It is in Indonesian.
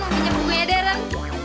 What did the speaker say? mau pinjam bunganya darren